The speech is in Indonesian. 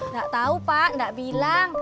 gak tau pak gak bilang